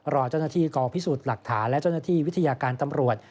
รอเจ้าหน้าที่กองพิสูจน์หลักฐานและเจ้าหน้าที่วิทยาการตำรวจ